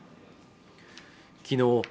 きのう